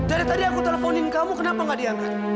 dari tadi aku teleponin kamu kenapa gak diangkat